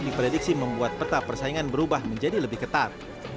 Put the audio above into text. diprediksi membuat peta persaingan berubah menjadi lebih ketat